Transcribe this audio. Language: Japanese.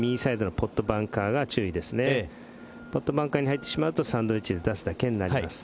ポットバンカーに入ってしまうとサンドウエッジで出すだけになります。